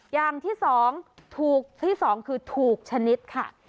อย่างที่๒ถูกที่๒คือถูกชนิดค่ะ